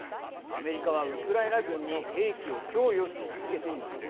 アメリカはウクライナ軍に兵器を供与し続けています。